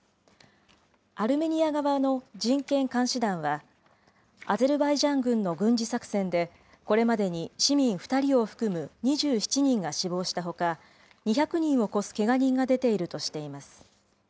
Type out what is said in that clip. アルメニア側の人権監視団は、アゼルバイジャン軍の軍事作戦で、これまでに市民２人を含む２７人が死亡したほか、２００人を超すけが人が出ているとしています。